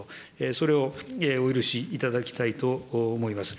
それをお許しいただきたいと思います。